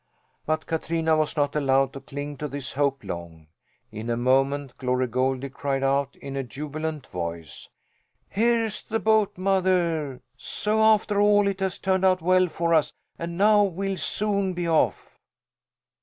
But Katrina was not allowed to cling to this hope long! In a moment Glory Goldie cried out in a jubilant voice: "Here's the boat, mother! So after all it has turned out well for us, and now we'll soon be off."